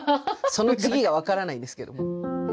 その次が分からないんですけど。